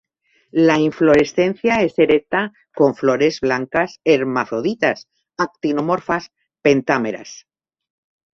La inflorescencia es erecta con flores blancas hermafroditas, actinomorfas, pentámeras.